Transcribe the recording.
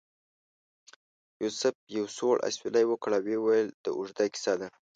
یوسف یو سوړ اسویلی وکړ او ویل یې دا اوږده کیسه ده.